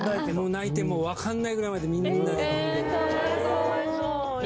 泣いてもうわからないぐらいまでみんなで飲んで。